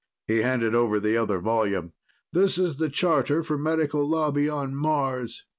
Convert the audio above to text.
He handed over the other volume. "This is the charter for Medical Lobby on Mars.